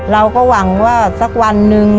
เราก็หวังว่าสักวันหนึ่ง